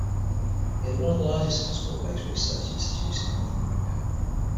It is one of the largest hospital-based research institutes in North America.